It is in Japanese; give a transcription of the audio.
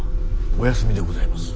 お休みでございます。